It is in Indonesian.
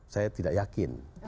saya tidak yakin